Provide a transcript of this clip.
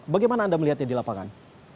bagaimana anda melihatnya di lapangan